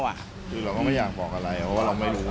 คือเราก็ไม่อยากบอกอะไรเพราะว่าเราไม่รู้